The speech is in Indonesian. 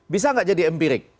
bisa gak jadi empirik